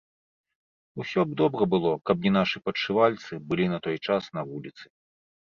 Усё б добра было, каб не нашы падшывальцы былі на той час на вуліцы.